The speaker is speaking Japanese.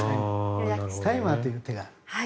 タイマーという手がある。